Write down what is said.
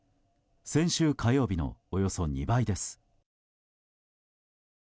先週火曜日のおよそ２倍です。